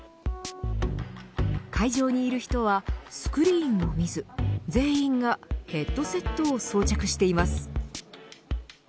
会場にいる人はスクリーンを見ず全員がヘッドセットを装着しています。